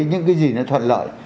những cái gì nó thuận lợi